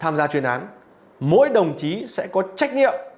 mỗi đồng chí sẽ có trách nhiệm